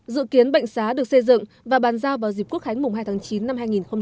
dự kiến bệnh xá được xây dựng và bàn giao vào dịp quốc khánh mùng hai tháng chín năm hai nghìn hai mươi